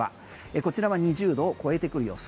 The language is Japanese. こちらは２０度を超えてくる予想。